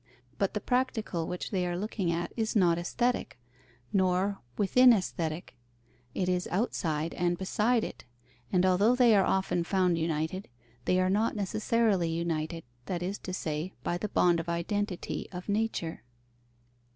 But the practical which they are looking at is not Aesthetic, nor within Aesthetic; it is outside and beside it; and although they are often found united, they are not necessarily united, that is to say, by the bond of identity of nature.